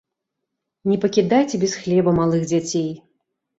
Не пакідайце без хлеба малых дзяцей!